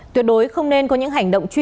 tuyệt đối không nên có những hành động chuyển